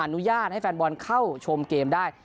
อนุญาตให้แฟนบอลเข้าชมเกมได้